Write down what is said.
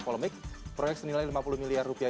polemik proyek senilai lima puluh miliar rupiah